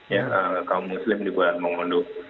ya kaum muslim di bulan mongondo